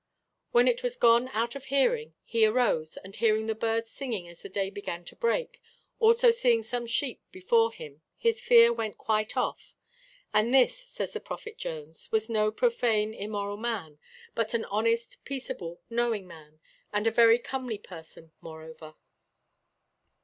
When it was gone out of hearing, he arose; and hearing the birds singing as the day began to break, also seeing some sheep before him, his fear went quite off. And this, says the Prophet Jones, was 'no profane, immoral man,' but 'an honest, peaceable, knowing man, and a very comely person' moreover.